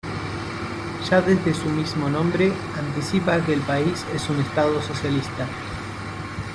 Ya desde su mismo nombre anticipa que el país es un Estado socialista.